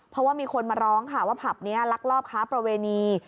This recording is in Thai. เพราะว่ามีคนมาร้องค่ะว่าผับนี้ลักลอบค้าประเวณี